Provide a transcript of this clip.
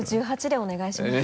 Ｒ−１８でお願いします。